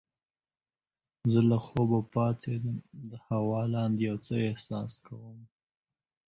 زه له خوبه پاڅیدم د هوا لاندې یو څه احساس کوم.